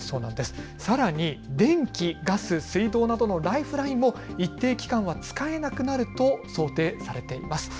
さらに電気、ガス、水道などのライフラインも一定期間は使えなくなると想定されています。